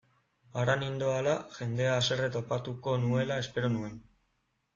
Hara nindoala, jendea haserre topatuko nuela espero nuen.